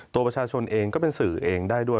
ตัวประชาชนเองก็เป็นสื่อเองได้ด้วย